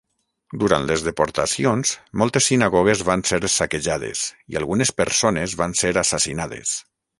Durant les deportacions, moltes sinagogues van ser saquejades i algunes persones van ser assassinades.